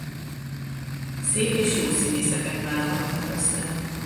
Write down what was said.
Szép és jó színészeket válogattak össze.